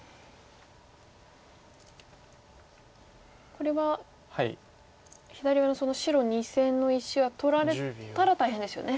これは左上の白２線の石は取られたら大変ですよね。